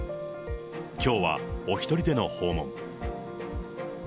きょうはお一人での訪問。